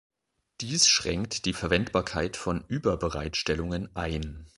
Dies schränkt die Verwendbarkeit von Überbereitstellungen ein.